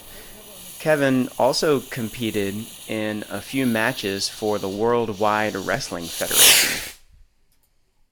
Kevin also competed in a few matches for the World Wide Wrestling Federation.